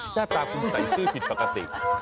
หน้าตาคุณใส่ซื่อผิดปกติ